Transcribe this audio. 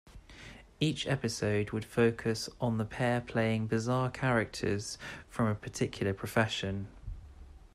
Each episode would focus on the pair playing bizarre characters from a particular profession.